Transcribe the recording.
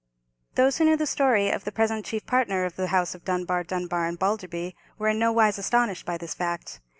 Those who knew the history of the present chief partner of the house of Dunbar, Dunbar, and Balderby, were in nowise astonished by this fact.